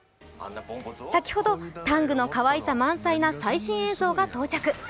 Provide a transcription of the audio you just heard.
先ほど、タングのかわいさ満載の最新映像が到着。